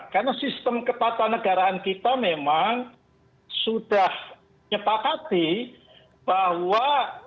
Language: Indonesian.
karena sistem kepatuhan negaraan kita memang sudah nyepakati bahwa